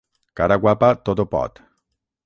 Cara guapa tot ho pot.